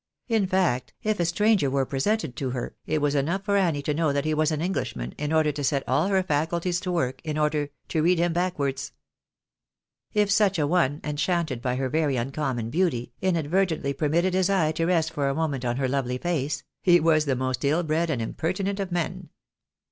In fact, if a stranger were presented to her, it was enough for Annie to know that he was an Enghshman, in order to set all her faculties to work, in order " to read him back wards." If such a one, enchanted by her very uncommon beauty, inad vertently permitted his eye to rest for a moment on her lovely face, " he was the most ill bred and impertinent of men."